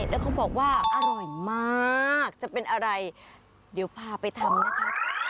แล้วเขาบอกว่าอร่อยมากจะเป็นอะไรเดี๋ยวพาไปทำนะคะ